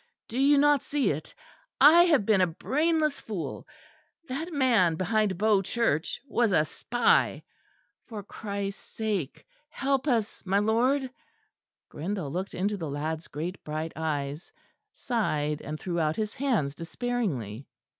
Do you not see it? I have been a brainless fool. That man behind Bow Church was a spy. For Christ's sake help us, my lord!" Grindal looked into the lad's great bright eyes; sighed; and threw out his hands despairingly.